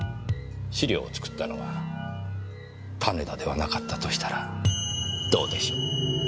資料を作ったのが種田ではなかったとしたらどうでしょう？